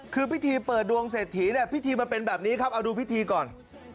คือพิธีเปิดดวงเศรษฐีเนี่ยพิธีมันเป็นแบบนี้ครับเอาดูพิธีก่อน